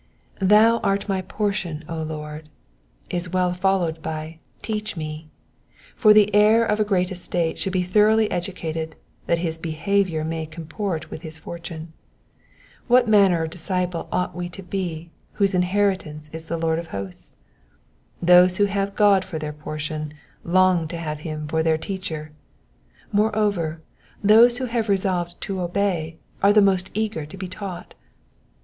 Thou art my portion, O Lord," is well followed by "teach me" ; for the heir of a. great estate should be thoroughly educated, that his behaviour may comport with his fortune. What manner of disciples ought we to be whose inheritance is the Lord of hosts ? Those who have God for their Portion long to have him for their Teacher. Moreover, those who have resolved to obey are the most eager to be taught.